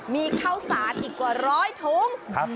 มีข้าวสารอีกกว่าร้อยถุง